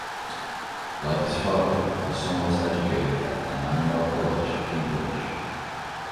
Like his father, the son was educated at Emmanuel College, Cambridge.